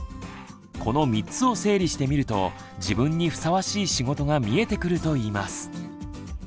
この３つを整理してみると自分にふさわしい仕事が見えてくると言います。